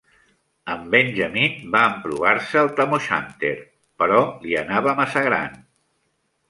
En Benjamin va emprovar-se el tam-o-shanter, però li anava massa gran.